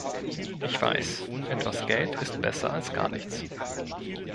Ich weiß, etwas Geld ist besser als gar nichts.